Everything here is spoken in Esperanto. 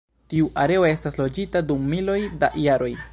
Tiu areo estas loĝita dum miloj da jaroj.